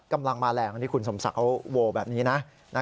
กำลังมาแหล่งนี่คุณสมศักร์โว้แบบนี้นะ